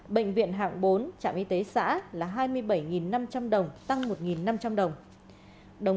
bệnh viện hạng bốn trạm y tế xã là hai mươi bảy năm trăm linh đồng tăng một năm trăm linh đồng